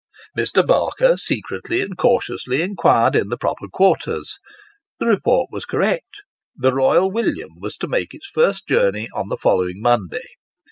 Mr. Barker secretly and cautiously inquired in the proper quarters. The report was correct ; the " Royal William " was to make its first journey on the following Monday.